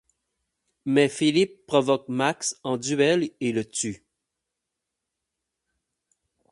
Mais Philippe provoque Max en duel et le tue.